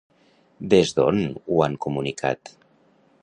Des d'on ho han comunicat?